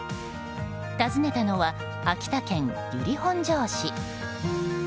訪ねたのは秋田県由利本荘市。